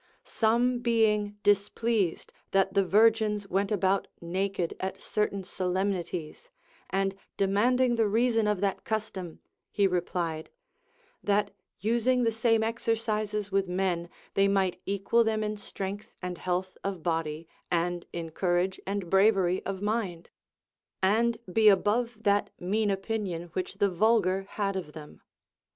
Some being displeased that the virgins Avent about naked at certain solemnities, and de manding the reason of that custom, he replied : That using the same exercises with men, they might equal them in strength and health of body and in courage and bravery of mind, and be above that mean opinion which the vulgar had of them.